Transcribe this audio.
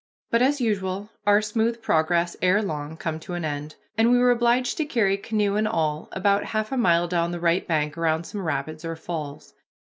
But, as usual, our smooth progress ere long come to an end, and we were obliged to carry canoe and all about half a mile down the right bank around some rapids or falls.